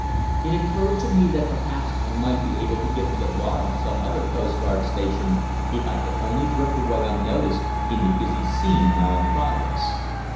It occurred to me that perhaps I might be able give the alarm at some other coastguard station if I could only drift away unnoticed in the busy scene now in progress.